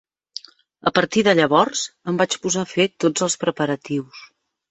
A partir de llavors, em vaig posar a fer tots els preparatius.